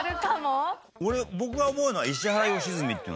俺僕が思うのは石原良純っていう。